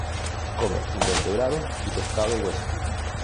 Come invertebrados y pescado hueso.